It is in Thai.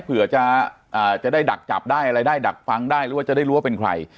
เผื่อจะได้ดักจับได้อะไรได้ดักฟังได้หรือว่าจะได้รู้ว่าเป็นใคร